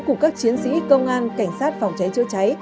của các chiến sĩ công an cảnh sát phòng cháy chữa cháy